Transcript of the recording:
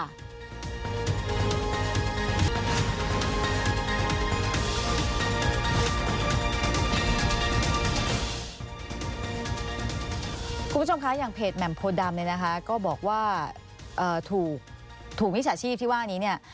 คุณผู้ชมคะอย่างเพจแหม่มโพดำเนี่ยนะคะก็บอกว่าถูกมิจฉาชีพที่ว่านี้เนี่ย